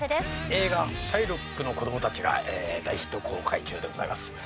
映画『シャイロックの子供たち』が大ヒット公開中でございます。